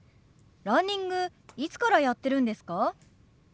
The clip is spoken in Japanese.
ランニングいつからやってるんですか？